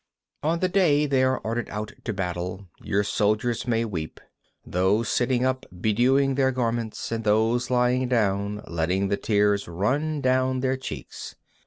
28. On the day they are ordered out to battle, your soldiers may weep, those sitting up bedewing their garments, and those lying down letting the tears run down their cheeks.